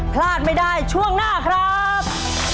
พลาดไม่ได้ช่วงหน้าครับ